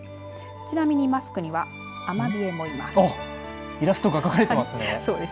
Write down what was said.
ちなみに、マスクにはアマビエもいます。